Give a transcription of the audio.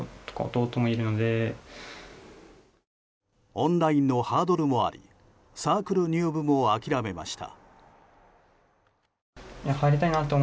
オンラインのハードルもありサークル入部も諦めました。